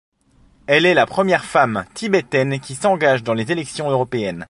Elle est la première femme tibétaine qui s’engage dans les élections européennes.